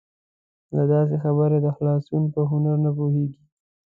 له دغسې جبره د خلاصون په هنر نه پوهېږي.